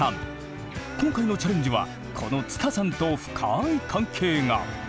今回のチャレンジはこのつたさんと深い関係が！